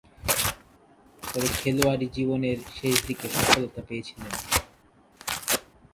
তবে খেলোয়াড়ী জীবনের শেষদিকে সফলতা পেয়েছিলেন।